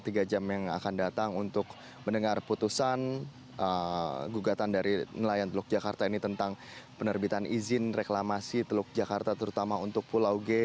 tiga jam yang akan datang untuk mendengar putusan gugatan dari nelayan teluk jakarta ini tentang penerbitan izin reklamasi teluk jakarta terutama untuk pulau g